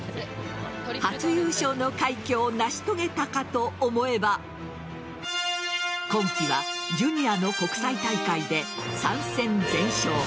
初優勝の快挙を成し遂げたかと思えば今季はジュニアの国際大会で３戦全勝。